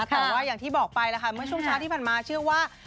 แต่ว่าอย่างที่บอกไปแล้วค่ะเมื่อช่วงเช้าที่ผ่านมาเชื่อว่า